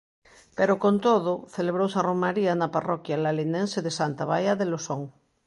Pero, con todo, celebrouse a romaría na parroquia lalinense de Santa Baia de Losón.